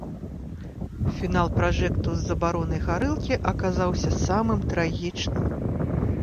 Фінал пражэкту з забаронай гарэлкі аказаўся самым трагічным.